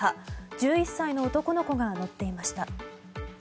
１１歳の男の子が乗っていました。